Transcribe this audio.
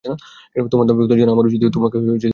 তোমার দাম্ভিকতার জন্য আমার উচিৎ তোমাকে তিরস্কার করা।